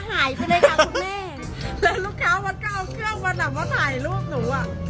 แล้วก็เอาเครื่องมานำมาถ่ายลูกหนู